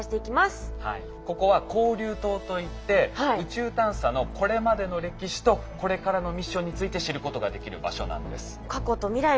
ここは交流棟といって宇宙探査のこれまでの歴史とこれからのミッションについて知ることができる場所なんです。